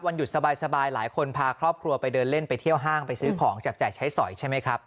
หยุดสบายหลายคนพาครอบครัวไปเดินเล่นไปเที่ยวห้างไปซื้อของจับจ่ายใช้สอยใช่ไหมครับ